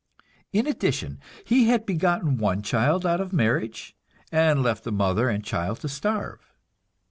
In addition, he had begotten one child out of marriage, and left the mother and child to starve.